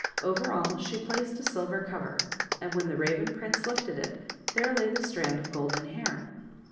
Over all she placed a silver cover, and when the Raven prince lifted it there lay the strand of golden hair.